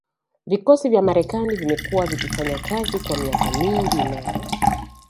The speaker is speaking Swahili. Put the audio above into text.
Vikosi vya Marekani vimekuwa vikifanya kazi kwa miaka mingi na